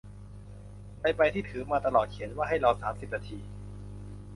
ในใบที่ถือมาตลอดเขียนว่าให้รอสามสิบนาที